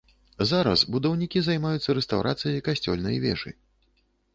Зараз будаўнікі займаюцца рэстаўрацыяй касцёльнай вежы.